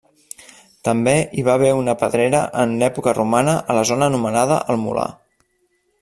També hi va haver una pedrera en època romana a la zona anomenada el Molar.